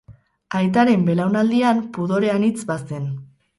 Aitaren belaunaldian, pudore anitz bazen.